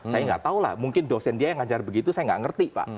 saya nggak tahu lah mungkin dosen dia yang ngajar begitu saya nggak ngerti pak